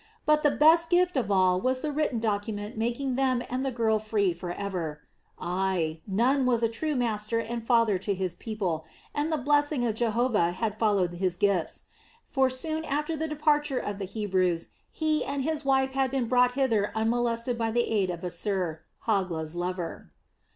But the best gift of all was the written document making them and the girl free forever. Ay, Nun was a true master and father to his people, and the blessing of Jehovah had followed his gifts; for soon after the departure of the Hebrews, he and his wife had been brought hither unmolested by the aid of Assir, Hogla's lover.